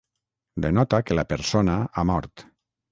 Denota que la persona ha mort.